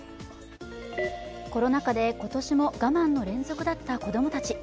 コロナ禍で今年も我慢の連続だった子供たち。